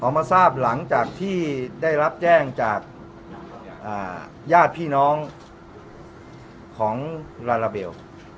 มาทราบหลังจากที่ได้รับแจ้งจากญาติพี่น้องของลาลาเบล